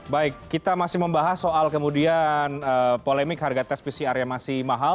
baik kita masih membahas soal kemudian polemik harga tes pcr yang masih mahal